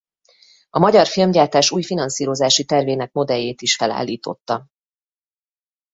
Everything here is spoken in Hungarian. A magyar filmgyártás új finanszírozási tervének modelljét is felállította.